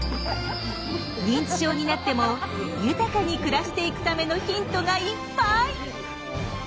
認知症になっても豊かに暮らしていくためのヒントがいっぱい！